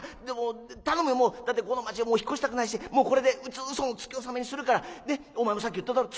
もうだってこの町引っ越したくないしもうこれで嘘のつき納めにするからねっお前もさっき言っただろ？